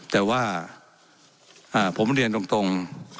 แต่ว่าผมเรียนตรง